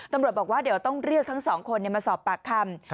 ตำรวจบอกว่าเดี๋ยวต้องเรียกทั้งสองคนมาสอบปากคำ